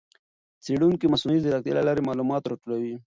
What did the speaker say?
څېړونکي د مصنوعي ځېرکتیا له لارې معلومات راټولوي.